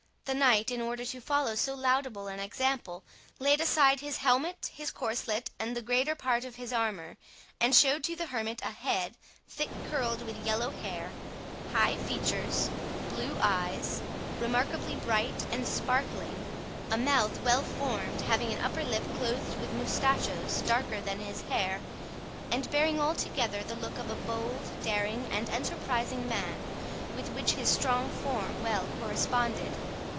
The knight, in order to follow so laudable an example, laid aside his helmet, his corslet, and the greater part of his armour, and showed to the hermit a head thick curled with yellow hair, high features, blue eyes, remarkably bright and sparkling, a mouth well formed, having an upper lip clothed with mustachoes darker than his hair, and bearing altogether the look of a bold, daring, and enterprising man, with which his strong form well corresponded.